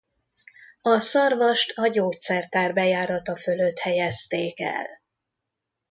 A szarvast a gyógyszertár bejárata fölött helyezték el.